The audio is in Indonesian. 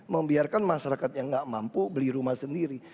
membiarkan masyarakat yang nggak mampu beli rumah sendiri